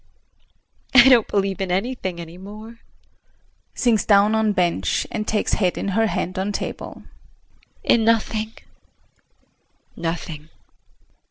I don't believe in anything any more. [Sinks down on bench, and takes head in her hand on table.] In nothing nothing!